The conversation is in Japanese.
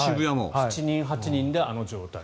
７人、８人であの状態。